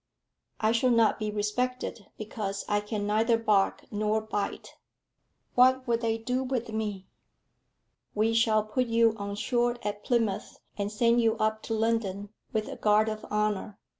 "I shall not be respected, because I can neither bark nor bite. What will they do with me?" "We shall put you on shore at Plymouth, and send you up to London with a guard of honour."